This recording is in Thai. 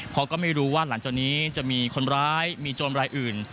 เพราะก็ไม่รู้ว่าหลังจากนี้จะมีคนร้ายมีโจรรายอื่น